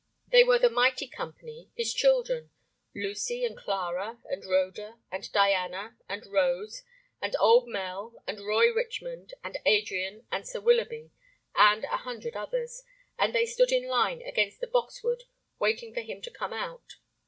They were the mighty company, his children,—Lucy and Clara and Rhoda and Diana and Rose and old Mel and Roy Richmond and Adrian and Sir Willoughby and a hundred others, and they stood in line against the box wood, waiting for him to come out.